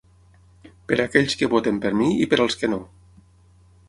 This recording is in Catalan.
Per a aquells que voten per mi i per als que no.